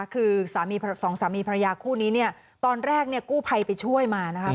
คือสามีสองสามีภรรยาคู่นี้เนี่ยตอนแรกเนี่ยกู้ภัยไปช่วยมานะคะ